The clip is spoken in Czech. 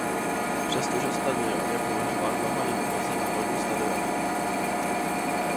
Přestože stadion je považován mnoha lidmi za národní stadion.